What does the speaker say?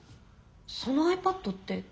そのｉＰａｄって。